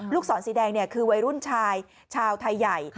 ศรสีแดงคือวัยรุ่นชายชาวไทยใหญ่